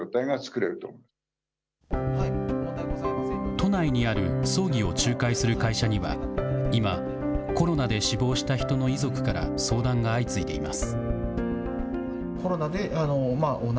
都内にある葬儀を仲介する会社には、今、コロナで死亡した人の遺族から相談が相次いでいます。